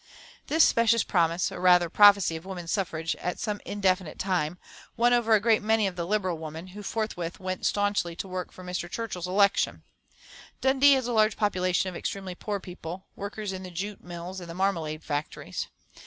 This specious promise, or rather, prophecy of woman suffrage at some indefinite time, won over a great many of the Liberal women, who forthwith went staunchly to work for Mr. Churchill's election. Dundee has a large population of extremely poor people, workers in the jute mills and the marmalade factories.